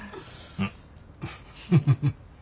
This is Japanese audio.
うん。